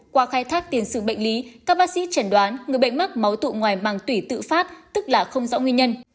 qua khai thác tiền sự bệnh lý các bác sĩ chẩn đoán người bệnh mắc máu tụ ngoài màng tủy tự phát tức là không rõ nguyên nhân